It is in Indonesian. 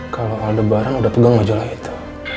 kalau ada barang udah pegang majalah itu